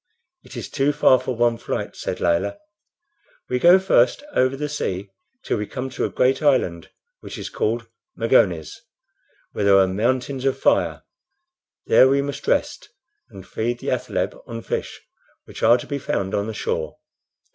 "It is too far for one flight," said Layelah. "We go first over the sea till we come to a great island, which is called Magones, where there are mountains of fire; there we must rest, and feed the athaleb on fish, which are to be found on the shore.